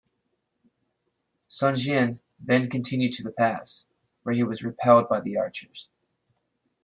Sun Jian then continued to the pass, where he was repelled by the archers.